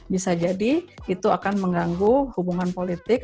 bisa jadi itu akan mengganggu hubungan politik